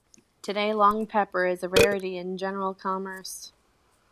Today, long pepper is a rarity in general commerce.